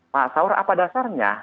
pak saur apa dasarnya